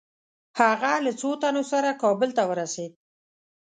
هغه له څو تنو سره کابل ته ورسېد.